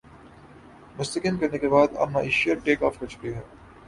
مستحکم کرنے کے بعد اب معیشت ٹیک آف کر چکی ہے